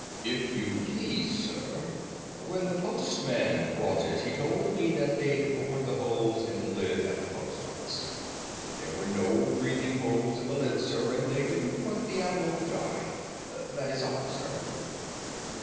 "If you please, sir, when the postman brought it he told me that they'd bored the holes in the lid at the post office. There were no breathin' holes in the lid, sir, and they didn't want the animal to die. That is all, sir."